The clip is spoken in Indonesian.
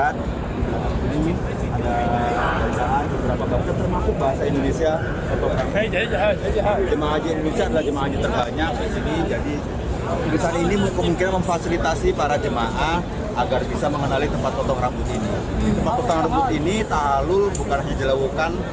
tempat potong rambut ini tak lalu bukan hanya jelawukan